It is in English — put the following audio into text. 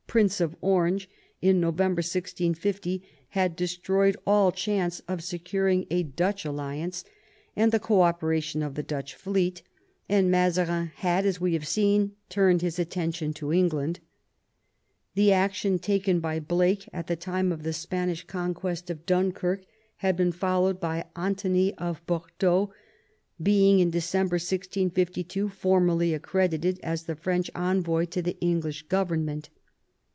Prince of Orange, in November 1650 had destroyed all chance of securing a Dutch alliance and VII SPANISH WAR AND ENGLISH ALLIANCE 131 the co operation of the Dutch fleet, and Mazarin had, as we have seen, turned his attention to England. The action taken by Blake at the time of the Spanish con quest of Dunkirk had been followed by Antony of Bordeaux being in December 1652 formally accredited as the French envoy to the English government.